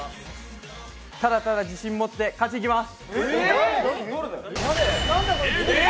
ただただ自信持って、勝ちに行きます。